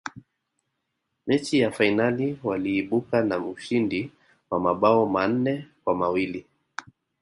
mechi ya fainali waliibuka na ushindi wa mabao manne kwa mawili